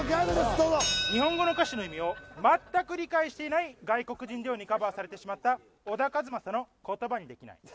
どうぞ日本語の歌詞の意味を全く理解していない外国人デュオにカバーされてしまった小田和正の「言葉にできない」